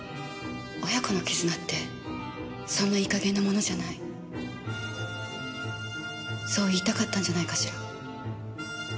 親子の絆ってそんないい加減なものじゃないそう言いたかったんじゃないかしら。